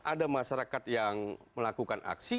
ada masyarakat yang melakukan aksi